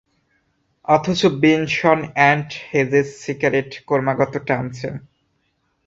অথচ Benson and Hedges cigarette ক্রমাগত টানছেন।